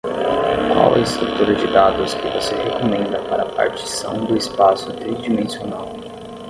Qual a estrutura de dados que você recomenda para partição do espaço tridimensional?